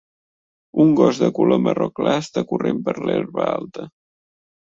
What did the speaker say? Un gos de color marró clar està corrent per l'herba alta.